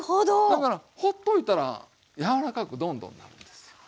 だからほっといたら柔らかくどんどんなるんですよ。